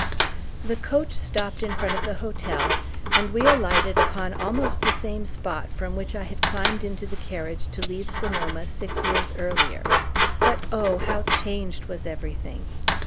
The coach stopped in front of the hotel, and we alighted upon almost the same spot from which I had climbed into the carriage to leave Sonoma six years earlier. But, oh, how changed was everything!